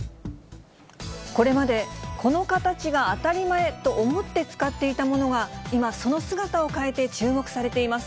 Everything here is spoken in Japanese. これまでこの形が当たり前と思って使っていたものが、今、その姿を変えて注目されています。